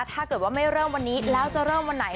ถ้าเกิดว่าไม่เริ่มวันนี้แล้วจะเริ่มวันไหน